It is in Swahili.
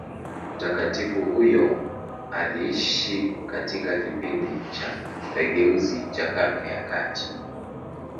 Mtakatifu huyo aliishi katika kipindi cha mageuzi cha Karne za kati.